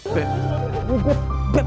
beb tunggu beb